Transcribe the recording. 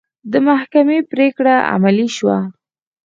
د محکمې پرېکړه عملي شوه.